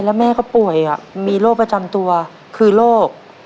แล้วแม่ก็ป่วยมีโรคประจำตัวคือโรค